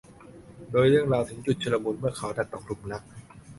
โดยเรื่องราวถึงจุดชุลมุนเมื่อเขาดันตกหลุมรัก